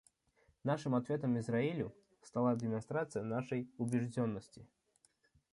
Нашим ответом Израилю стала демонстрация нашей убежденности.